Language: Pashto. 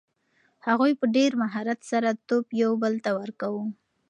هغوی په ډېر مهارت سره توپ یو بل ته ورکاوه.